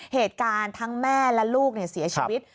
เหตุการณ์ทั้งแม่และลูกเสียชีวิต